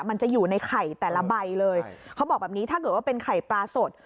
มันจะอยู่ในไข่แต่ละใบเลยเขาบอกแบบนี้ถ้าเกิดว่าเป็นไข่ปลาสด